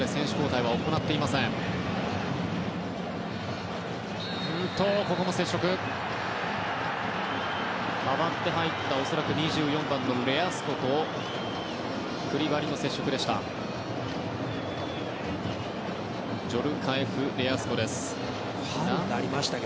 代わって入った２４番のレアスコとクリバリの接触でした。